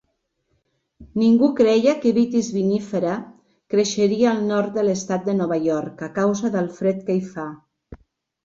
Ningú creia que 'Vitis vinifera' creixeria al nord de l'estat de Nova York a causa del fred que hi fa.